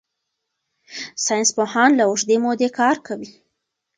ساینسپوهان له اوږدې مودې کار کوي.